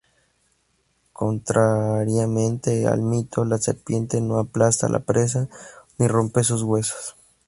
Contrariamente al mito, la serpiente no aplasta la presa, ni rompe sus huesos.